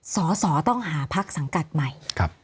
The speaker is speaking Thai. สอสอต้องหาพักสังกัดใหม่